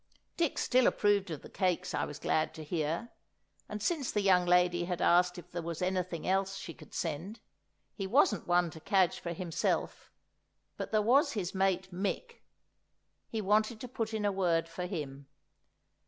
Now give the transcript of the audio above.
Dick still approved of the cakes, I was glad to hear; and since the young lady had asked if there was anything else she could send, he wasn't one to cadge for himself, but there was his mate Mick; he wanted to put in a word for him.